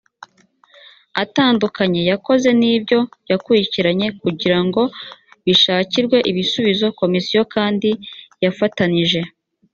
atandukanye yakoze n ibyo yakurikiranye kugira ngo bishakirwe ibisubizo komisiyo kandi yafatanyije